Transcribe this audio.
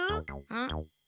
ん？